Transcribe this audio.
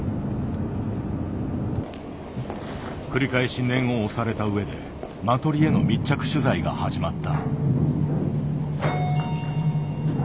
繰り返し念を押された上でマトリへの密着取材が始まった。